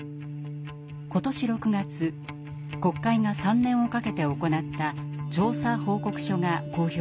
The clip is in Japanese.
今年６月国会が３年をかけて行った調査報告書が公表されました。